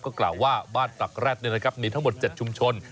ก็กล่าวว่าบ้านปักแร็ดนี่นะครับนี่ทั้งหมด๗ชุมชน